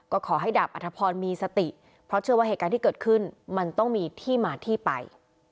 ก็ขอให้ดาบอัธพรมีสติเพราะเชื่อว่าเหตุการณ์ที่เกิดขึ้นมันต้องมีที่มาที่ไป